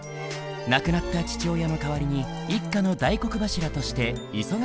亡くなった父親の代わりに一家の大黒柱として忙しい日々を送っていた。